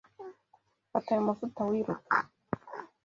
Fata ayo mavuta wiruka